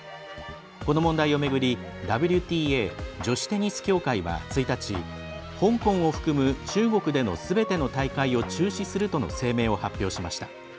この問題を巡りＷＴＡ＝女子テニス協会は１日香港を含む中国でのすべての大会を中止するとの声明を発表しました。